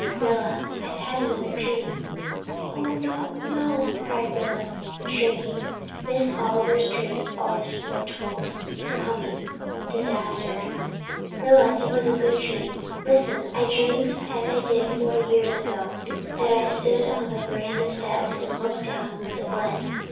"Rilla, I've had another dream." "Oh, no no," cried Rilla, shrinking. Miss Oliver's dreams had always foretold coming disaster. "Rilla, it was a good dream. Listen I dreamed just as I did four years ago, that I stood on the veranda steps and looked down the Glen.